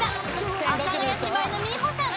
阿佐ヶ谷姉妹の美穂さん